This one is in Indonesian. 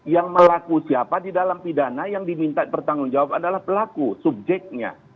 yang melaku siapa di dalam pidana yang diminta bertanggung jawab adalah pelaku subjeknya